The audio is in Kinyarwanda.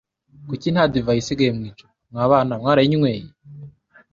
Kuki nta divayi isigaye mu icupa? Mwa bana mwarayinyweye?